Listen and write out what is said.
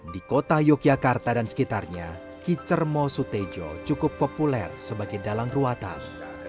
di kota yogyakarta dan sekitarnya kicermo sutejo cukup populer sebagai dalang ruatan